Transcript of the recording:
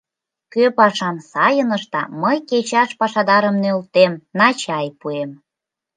Кӧ пашам сайын ышта, мый кечаш пашадарым нӧлтем, «на чай» пуэм.